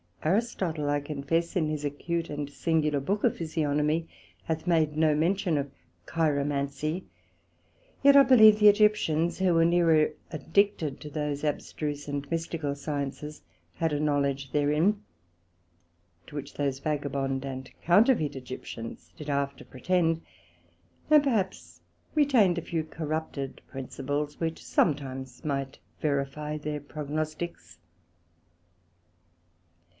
Aristotle I confess, in his acute and singular Book of Physiognomy, hath made no mention of Chiromancy; yet I believe the Egyptians, who were neerer addicted to those abstruse and mystical sciences, had a knowledge therein; to which those vagabond and counterfeit Egyptians did after pretend, and perhaps retained a few corrupted principles, which sometimes might verifie their prognosticks.